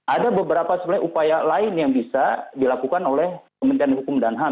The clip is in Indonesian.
ada beberapa sebenarnya upaya lain yang bisa dilakukan oleh kementerian hukum dan ham